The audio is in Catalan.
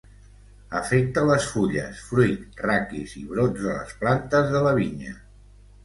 Afecta les fulles, fruit, raquis i brots de les plantes de la vinya.